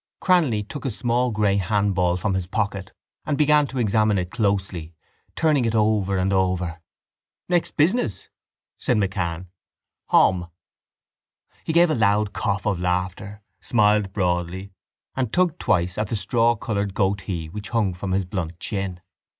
Cranly took a small grey handball from his pocket and began to examine it closely, turning it over and over. —Next business? said MacCann. Hom! He gave a loud cough of laughter, smiled broadly and tugged twice at the strawcoloured goatee which hung from his blunt chin.